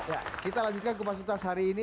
ya kita lanjutkan ke masuk tas hari ini